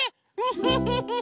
フフフフフ。